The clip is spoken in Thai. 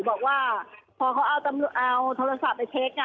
บอกว่าพอเขาเอาโทรศัพท์ไปเช็ค